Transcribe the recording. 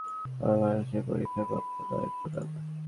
আমার ভালবাসা এই পরীক্ষার প্রাপ্য নয়, পুনাম।